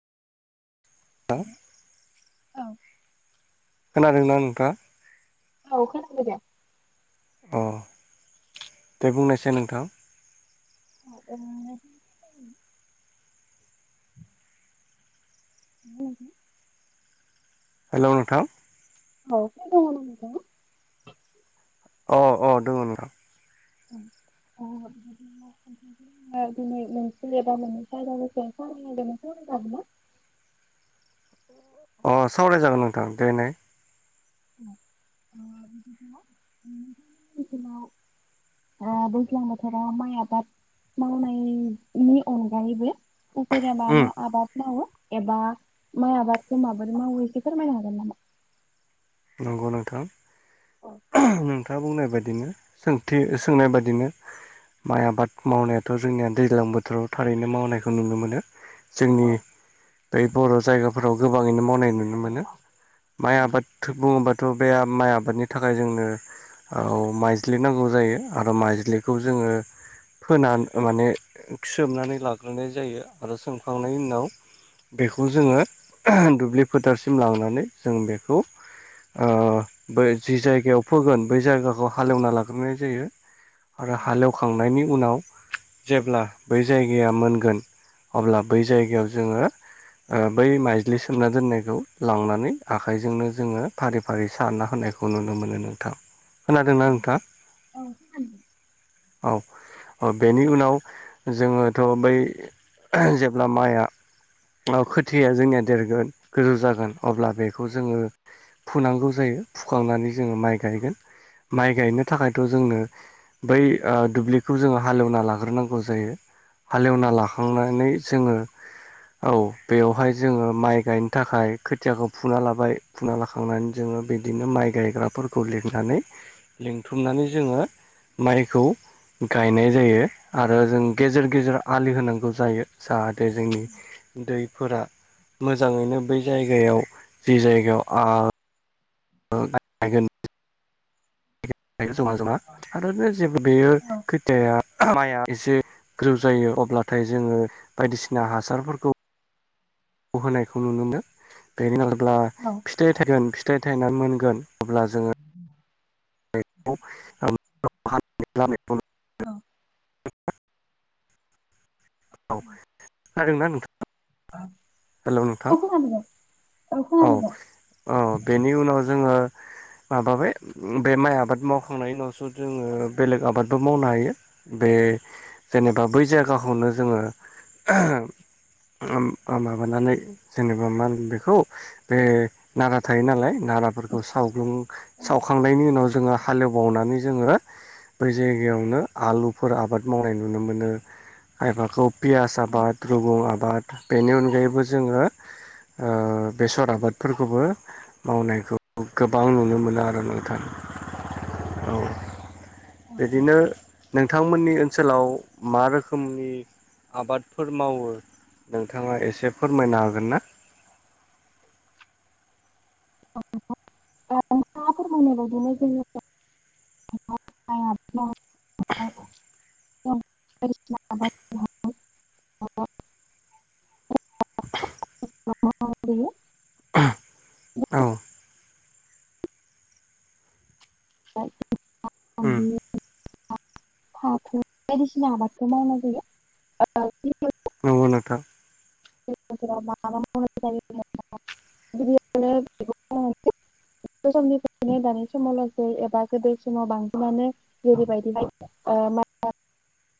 थां औ खोनादोंना नोंथाङा औ खोनांदो दे अ दे बुंनायसाय नोंथां [inaudible] [unintelligible] हेल नोंथां। औ [unintelligible] अ अ दङ नोंथां। अ [unintelligible] [inaudible] अ सावराय जागोन नोंथां देनाय। [unintelligible] आ दैज्लां बोथोराव माइ आबाद मावनायनि अनगायैबो उफेरा मा उम मा आबाद मावो एबा माइ आबादखौ माबोरै मावो एसे फोरमायनो हागोन नामा नंगौ नोंथां औ नोंथाङा बुंनाय बायदि बिदिनो सोंथि सोंनाय बादिनो माइ आबाद मावनायाथ जोंनिया दैज्लां बोथोराव थारैनो मावनायखौ नुनो मोनो जोंनि औ बै बर जायगाफोराव गोबाङैनो मावनाय नुनो मोनो माइ आबाद बुङोबाथ बे माइ आबादनि थाखाय जोंनो माइज्लि नांगौ जायो आरो माइज्लिखौ जोङो फोना माने सोमनानै लाग्रोनाय जायो आरो सोंमखांनायनि उनाव बेखौ जोङो दुब्लि फोथारसिम लांनानै जों बेखौ ओ जि जायगायाव फोगोन बै जायगाखौ हालेवना लाग्रोनाय जायो। आरो हालेवखांनायनि उनाव जेब्ला बै जायगाया मोनगोन अब्ला बै जायगायाव जोङो ओ बै माइज्लि सोमना दोननायखौ लांनानै आखाइजोंनो जोङो फारि फारि सानना होनायखौ नुनो मोनो नोंथां खोनादोंना नोंथां औ औ औ बेनि उनाव जोङोथ बै जेब्ला माइआ खोथिया जोंनिया देरगोन गोजौ जागोन अब्ला बेखौ जोङो फुनांगौ जायो फुखांनानै जोङो माइ गायगोन माइ गायनो थाखायथ' जोंनो बै ओ दुब्लिखौ जोङो हालेवना लाग्रोनांगौ जायो। हालेवना लाखांनानै जोङो औ बेवहाय जोङो माइ गायनो थाखाय खोथियाखौ फुना लाबाय फुना लाखांनानै जोङो बिदिनो माइ गायग्राफोरखौ लिंनानै लिंथुमनानै जोङो माइखौ गायनाय जायो। आरो जों गेजेर गेजेर आलि होनांगौ जायो जाहाथे जोंनि दैफोरा मोजाङैनो बै जायगायाव जि जायगायाव आं ओ माइ गायगोन जमा जमा आरो जेबो बेयो औ खोथियाया माइआ एसे ग्रोब जायो अब्लाथाय जोङो बायदिसिना हासारफोरखौ होनायखौ नुनो मोनो बेनि अब्ला औ फिथाइ थायगोन फिथाइ थायनानै मोनगोन अब्ला जोङो [unintelligible] औ खौनादोंना नोंथां? हेलौ नोंथां औ खोनादों औ औ बेनि उनाव जोङो माबाबाय बे माइ आबाद मावखांनायनि उनावसो जोङो बेलेग आबादबो मावनो हायो बे जेनेब बा बै जायगाखौनो जोङो माबानानै जेनेबा मा होनो बेखौ बे नारा थायो नालाय नाराफोरखौ सावग्लुं औ सावखांनायनि उनाव जोङो हालेवबावनानै जोङो बै जायगायावनो आलुफोर आबाद मावनाय नुनो मोनो। खायफाखौ पियास औ आबाद रुगुं आबाद बेनि अनगायैबो जोङो ओ बेसर आबादफोरखौबो मावनायखौ गोबां नुनो मोनो आरो ना नोंथां। [inaudible] औ औ बिदिनो नों थांमोननि ओनसोलाव मा रोखोमनि आबादफोर मावो नोंथाङा एसे फोरमायनो हागोन ना? [unintelligible] नोंथाङा फोरमायनाय बायदिनो जोङो [unintelligible] [unintelligible] [inaudible] [unintelligible] औ। [inaudible] [unintelligible] उम बायदिसिना आबादखौ मावनाय जायो [inaudible] नंगौ नोंथां। [inaudible] [inaudible] [unintelligible] समनिफ्रायनो दानि समावल' जे एबा गोदो समाव बांसिनानो जेरैबायदिहाय ओ [unintelligible]